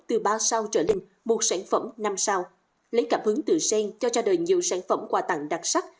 từ ba sao trở lên một sản phẩm năm sao lấy cảm hứng từ sen cho ra đời nhiều sản phẩm quà tặng đặc sắc